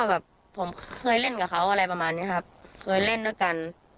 แบบผมเคยเล่นกับเขาอะไรประมาณนี้ครับเคยเล่นด้วยกัน